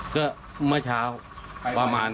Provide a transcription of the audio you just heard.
ก็เมื่อเช้า๓๐๐๐ใจ